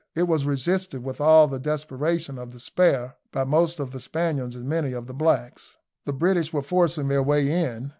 It was resisted with all the desperation of despair by most of the Spaniards and many of the blacks. The British were forcing their way in.